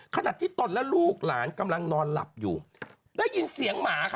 ขณะที่ตนและลูกหลานกำลังนอนหลับอยู่ได้ยินเสียงหมาค่ะ